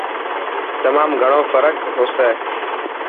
تمام گھڻو فرڪ هوسي.